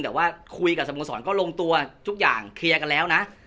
แต่ว่าคุยกับสโมสรก็ลงตัวทุกอย่างเคลียร์กันแล้วนะ